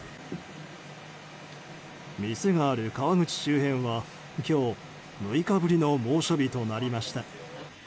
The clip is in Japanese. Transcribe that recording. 店がある川口周辺は今日、６日ぶりの猛暑日となりました。